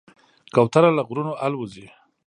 کوتره له غرونو الوزي.